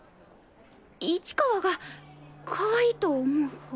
市川がかわいいと思うほう。